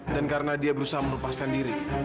dan karena dia berusaha menelupaskan diri